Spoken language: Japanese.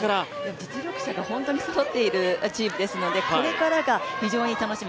実力者が本当にそろっているチームですから、これからが非常に楽しみ。